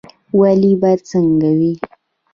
والي باید څنګه وي؟